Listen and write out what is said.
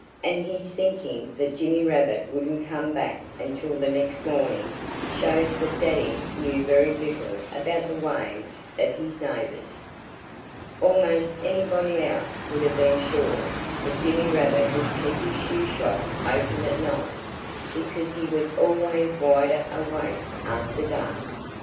And his thinking that Jimmy Rabbit wouldn't come back until the next morning shows that Daddy knew very little about the ways of his neighbors. Almost anybody else would have been sure that Jimmy Rabbit would keep his shoe shop open at night, because he was always wider awake after dark.